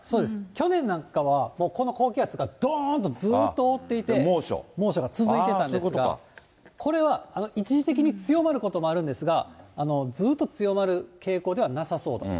去年なんかはもうこの高気圧がどーんと、ずーっと覆っていて猛暑が続いていたんですが、これは一時的に強まることもあるんですが、ずっと強まる傾向ではなさそうだと。